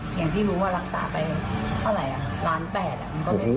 อย่างที่รู้ว่ารักษาไปเมื่อไหร่ร้านแปดมันก็ไม่คุ้ม